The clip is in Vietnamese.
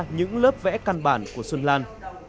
những lớp vẽ căn bản của xuân lan